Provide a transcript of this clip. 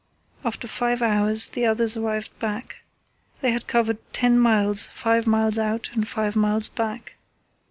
After five hours the others arrived back. They had covered ten miles, five miles out and five miles back.